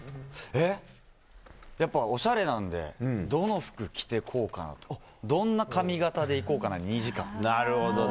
やっぱり、おしゃれなのでどの服着てこうかなとかどんな髪形でいこうかな、２時間。